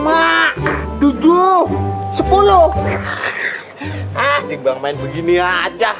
ah iqbal main begini aja